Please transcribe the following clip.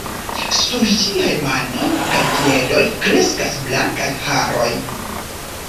Sur ĝiaj manoj kaj piedoj kreskas blankaj haroj.